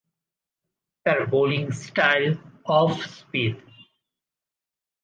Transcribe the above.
তার bowling style off spin.